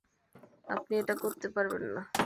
আপনি এটা করতে পারেন না।